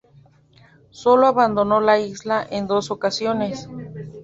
Sólo abandonó la isla en dos ocasiones.